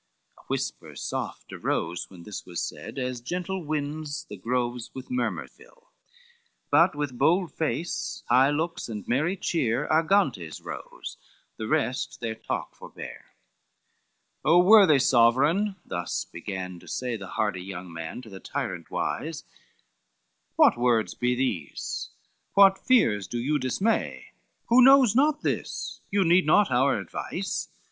A whisper soft arose when this was said, As gentle winds the groves with murmur fill, But with bold face, high looks and merry cheer, Argantes rose, the rest their talk forbear. XXXVII "O worthy sovereign," thus began to say The hardy young man to the tyrant wise, "What words be these? what fears do you dismay? Who knows not this, you need not our advice!